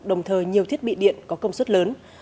đồng thời nhiều thiết bị điện có công suất lớn